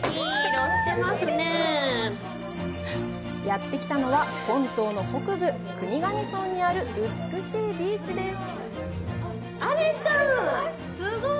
やってきたのは本島の北部国頭村にある美しいビーチです